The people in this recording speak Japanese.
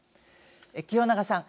清永さん。